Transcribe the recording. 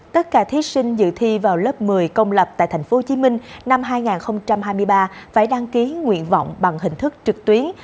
tất cả thí sinh dự thi vào lớp một mươi công lập tại tp hcm năm hai nghìn hai mươi ba phải đăng ký nguyện vọng bằng hình thức trực tuyến